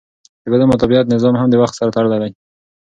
د بدن مدافعت نظام هم د وخت سره تړلی دی.